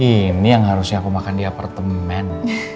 ini yang harusnya aku makan di apartemen